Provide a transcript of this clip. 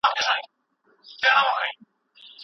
زه اوس په خپل کور کې د تمرین ویډیو ګورم.